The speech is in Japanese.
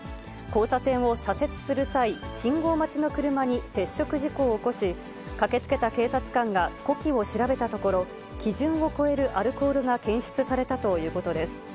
交差点を左折する際、信号待ちの車に接触事故を起こし、駆けつけた警察官が呼気を調べたところ、基準を超えるアルコールが検出されたということです。